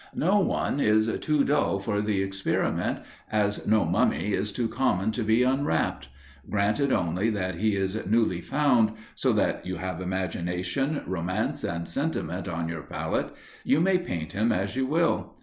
No one is too dull for the experiment, as no mummy is too common to be unwrapped. Granted only that he is newly found, so that you have imagination, romance and sentiment on your palette, you may paint him as you will.